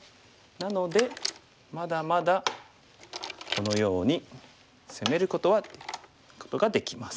なのでまだまだこのように攻めることができます。